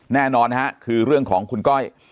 แน่นอนนะฮะคือเรื่องของคุณก้อย